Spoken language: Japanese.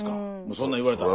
そんなん言われたら。